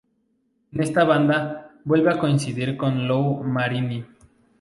En esta banda, vuelve a coincidir con Lou Marini.